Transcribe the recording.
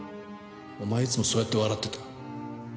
お前いつもそうやって笑ってた。